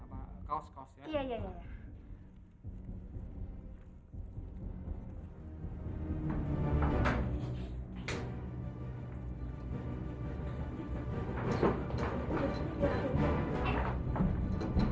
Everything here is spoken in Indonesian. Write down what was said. dia itu selain benzinah